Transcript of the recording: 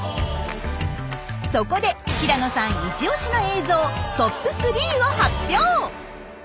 そこで平野さんイチオシの映像トップ３を発表！